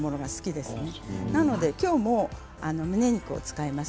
だからきょうもむね肉を使います。